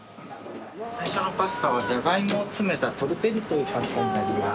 最初のパスタは「じゃがいもをつめたトルテッリ」というパスタになります。